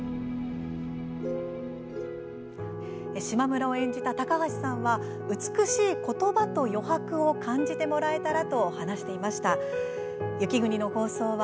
島村を演じた高橋さんは美しいことばと余白を感じてもらえたらと話していました。